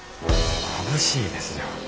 まぶしいですよ。